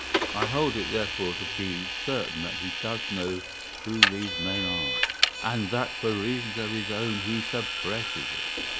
I hold it, therefore, to be certain that he does know who these men are, and that for reasons of his own he suppresses it.